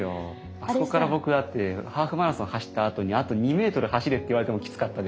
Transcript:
あそこから僕だってハーフマラソン走ったあとにあと２ｍ走れって言われてもきつかったです。